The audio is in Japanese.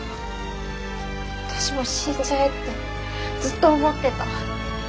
私も死んじゃえってずっと思ってた。